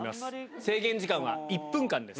制限時間は１分間です。